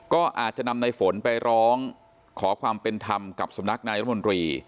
ก็อาจจะนำในฝนไปร้องขอความเป็นธรรมกับสำนักนายรัฐมนตรี